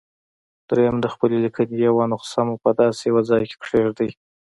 درېيم د خپلې ليکنې يوه نسخه مو په داسې يوه ځای کېږدئ.